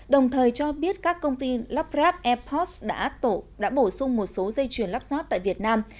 đồng thời cho biết các công ty lắp ráp airpost đã bổ sung một số dây chuyển lắp ráp tại việt nam